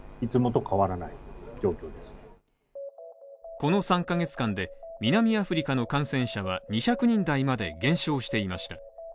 この３ヶ月間で、南アフリカの感染者は２００人台まで減少していました。